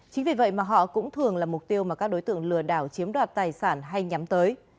chính vì vậy mà họ cũng thường là mục tiêu mà các đối tượng lừa đảo chiếm đoạt tài sản hay nhắm tới